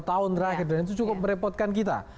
tahun terakhir dan itu cukup merepotkan kita